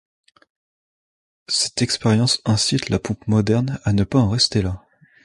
Cette expérience incite La Pompe Moderne à ne pas en rester là.